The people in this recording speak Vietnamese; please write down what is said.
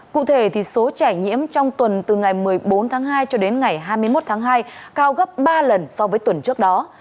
cụ thể số trẻ nhiễm trong tuần từ ngày một mươi bốn tháng hai cho đến ngày hai mươi một tháng hai cao gấp ba lần so với tuần trước đó